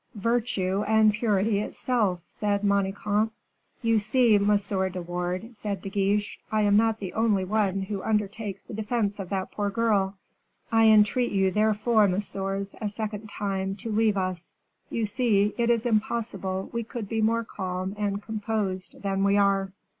"Virtue and purity itself," said Manicamp. "You see, Monsieur de Wardes," said De Guiche, "I am not the only one who undertakes the defense of that poor girl. I entreat you, therefore, messieurs, a second time, to leave us. You see, it is impossible we could be more calm and composed than we are."